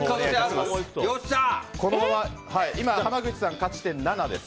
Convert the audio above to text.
今、濱口さんが勝ち点７です。